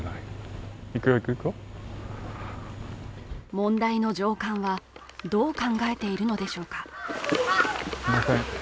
問題の上官は、どう考えているのでしょうか。